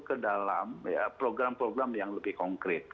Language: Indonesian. kedalam program program yang lebih konkret